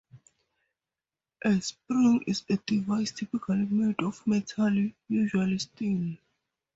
A spring is a device typically made of metal, usually steel.